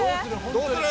どうする？